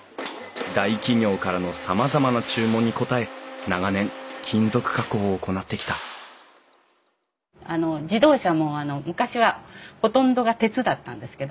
大企業からのさまざまな注文に応え長年金属加工を行ってきたあの自動車も昔はほとんどが鉄だったんですけど。